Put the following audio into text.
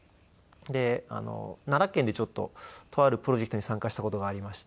で奈良県でちょっととあるプロジェクトに参加した事がありまして。